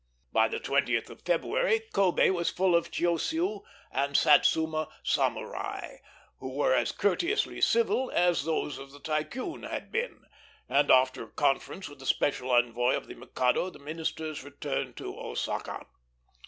By the 20th of February Kobé was full of Chiosiu and Satsuma samurai, who were as courteously civil as those of the Tycoon had been; and after a conference with the special envoy of the Mikado the ministers returned to Osaka.